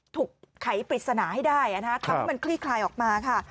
ไขปริศนาให้ได้ทำให้มันคลี่คลายออกมาค่ะ